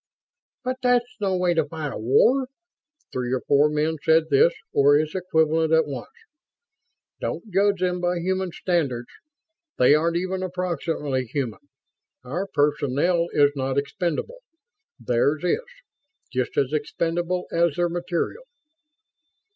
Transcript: "But that's no way to fight a war!" Three or four men said this, or its equivalent, at once. "Don't judge them by human standards. They aren't even approximately human. Our personnel is not expendable. Theirs is just as expendable as their materiel."